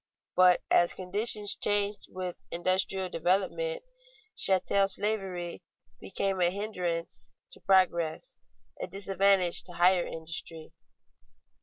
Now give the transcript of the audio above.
But as conditions changed with industrial development, chattel slavery became a hindrance to progress, a disadvantage to higher industry.